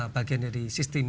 bagian dari sistem